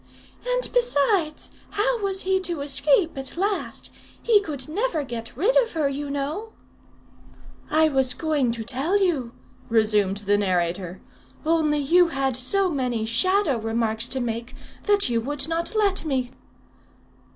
"And besides, how was he to escape at last? He could never get rid of her, you know." "I was going to tell you," resumed the narrator, "only you had so many shadow remarks to make, that you would not let me."